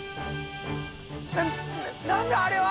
な何だあれは！？